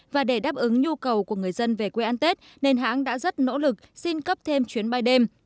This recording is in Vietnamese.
và để đáp ứng nhu cầu của người dân về quê ăn tết nên hãng đã rất nỗ lực xin cấp thêm chuyến bay đêm